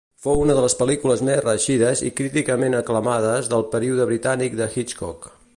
Fou una de les pel·lícules més reeixides i críticament aclamades del període britànic de Hitchcock.